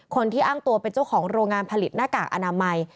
คนที่อ้างตัวเป็นเจ้าของโรงงานผลิตหน้ากากอนามัย